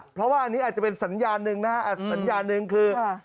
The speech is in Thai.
เพราะว่าอันนี้อาจจะเป็นสัญญาณหนึ่งนะฮะสัญญาณหนึ่งคือ